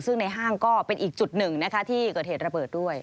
ซึ่งในห้างก็เป็นอีกจุดหนึ่งนะคะที่เกิดเหตุระเบิดด้วย